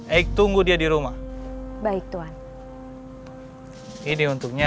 eik tunggu dia di rumah baik tuhan ini untuknya